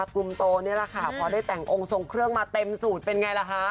ก็พึ่งแบบ๒๘๒๙เอง